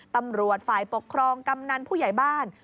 ตำรวจฝ่ายปกครองกำนันผู้ใหญ่บ้าน